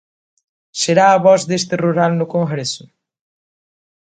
Será a voz deste rural no Congreso?